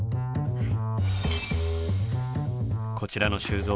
はい。